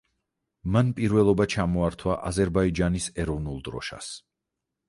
მან პირველობა ჩამოართვა აზერბაიჯანის ეროვნულ დროშას.